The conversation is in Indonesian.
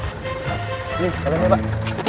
ini ini pak